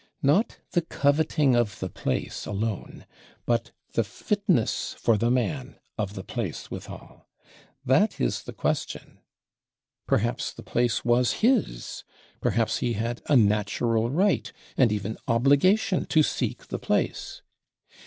Not the coveting of the place alone, but the fitness for the man of the place withal: that is the question. Perhaps the place was his, perhaps he had a natural right, and even obligation to seek the place!